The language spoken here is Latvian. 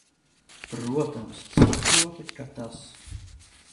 Protams, saprotu, ka tas.